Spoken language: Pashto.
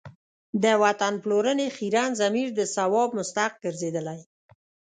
د وطن پلورنې خیرن ضمیر د ثواب مستحق ګرځېدلی.